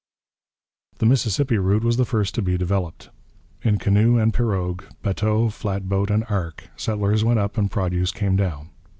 The Mississippi route was the first to be developed. In canoe and pirogue, bateau, flatboat, and ark, settlers went up and produce came down.